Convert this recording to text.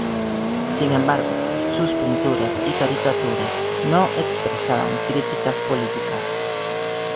Sin embargo, sus pinturas y caricaturas no expresaban críticas políticas.